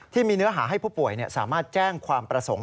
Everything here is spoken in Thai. เนื้อหาให้ผู้ป่วยสามารถแจ้งความประสงค์